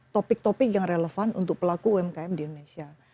topik topik yang relevan untuk pelaku umkm di indonesia